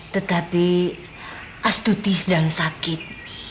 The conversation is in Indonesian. tetapi astuti sedang sakit